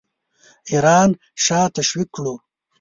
ایران شاه تشویق کړو.